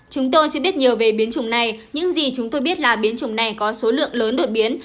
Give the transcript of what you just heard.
chúng tôi chưa biết nhiều về biến chủng này những gì chúng tôi biết là biến chủng này có số lượng lớn đột biến